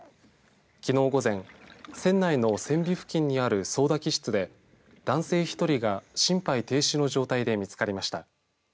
きのう午前船内の船尾付近にある操だ機室で男性１人が心肺停止の状態で見つかりました。